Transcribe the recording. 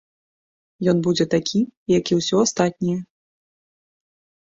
Ён будзе такі, як і ўсё астатняе.